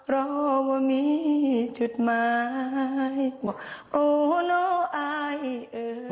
รอว่ามีจุดหมายโอ้เนาะอายเอ่ย